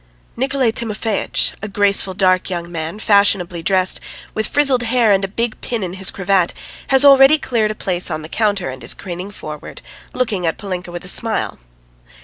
Nikolay Timofeitch, a graceful dark young man, fashionably dressed, with frizzled hair and a big pin in his cravat, has already cleared a place on the counter and is craning forward, looking at Polinka with a smile.